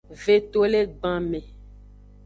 Vetolegbanme.